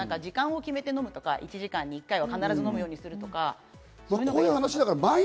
時間を決めて飲むとか、１時間に１回、必ず飲むようにするとか。